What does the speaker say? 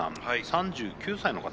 ３９歳の方。